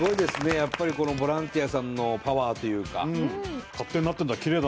やっぱりこのボランティアさんのパワーというか。